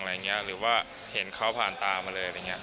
หรือว่าเห็นเขาผ่านตามมาเลย